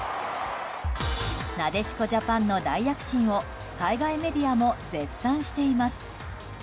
なでしこジャパンの大躍進を海外メディアも絶賛しています。